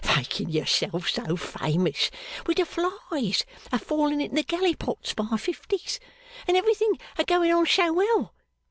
Making yourself so famous! With the flies a falling into the gallipots by fifties! And everything a going on so well!